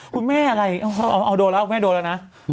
คุณแม่อะไรเอาโดนแล้วคุณแม่โดนแล้วนะ